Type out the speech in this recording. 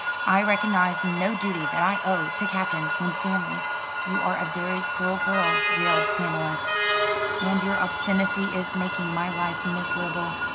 I recognise no duty that I owe to Captain Winstanley." "You are a very cruel girl," wailed Pamela, "and your obstinacy is making my life miserable."